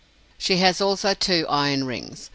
She has also two iron rings.